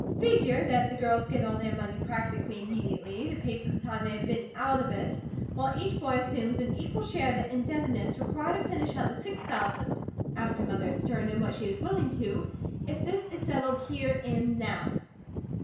Figure that the girls get all their money practically immediately, to pay for the time they have been out of it; while each boy assumes an equal share of the indebtedness required to finish out the six thousand, after Mother has turned in what she is willing to, if this is settled HERE AND NOW."